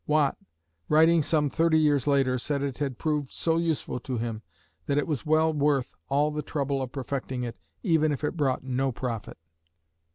Watt, writing some thirty years later, said it had proved so useful to him that it was well worth all the trouble of perfecting it, even if it brought no profit.